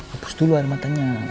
lepus dulu armatanya